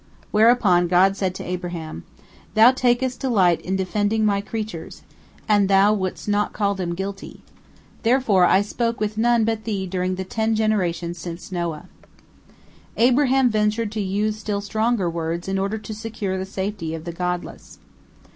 Whereupon God said to Abraham: "Thou takest delight in defending My creatures, and thou wouldst not call them guilty. Therefore I spoke with none but thee during the ten generations since Noah." Abraham ventured to use still stronger words in order to secure the safety of the godless.